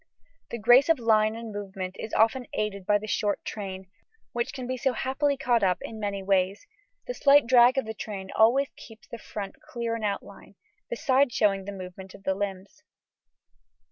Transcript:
The grace of line and movement is often aided by the short train, which can be so happily caught up in many ways; the slight drag of the train always keeps the front clear in outline, besides showing the movement of the limbs.